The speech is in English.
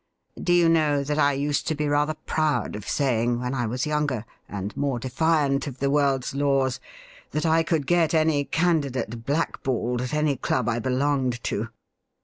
Do you know that I used to be rather proud of saying, when I was younger, and more defiant of the world's laws, that I could get any candidate black balled at any club I belonged to